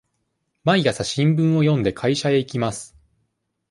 毎朝新聞を読んで、会社へ行きます。